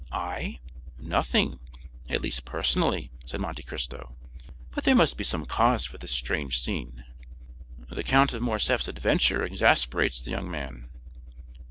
"I? Nothing—at least personally," said Monte Cristo. "But there must be some cause for this strange scene." "The Count of Morcerf's adventure exasperates the young man."